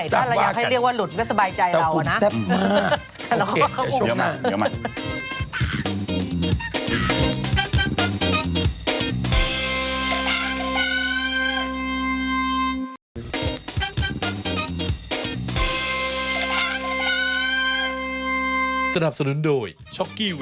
จะเรียกอย่างนั้นก็ได้